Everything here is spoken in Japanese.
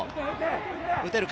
打てるか？